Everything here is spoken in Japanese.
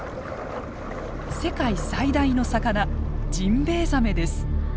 世界最大の魚ジンベエザメです。